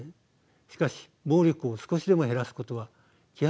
しかし暴力を少しでも減らすことは極めて重要です。